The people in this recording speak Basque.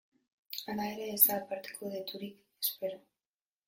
Hala ere, ez da aparteko daturik espero.